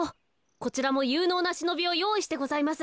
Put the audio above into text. こちらもゆうのうなしのびをよういしてございます。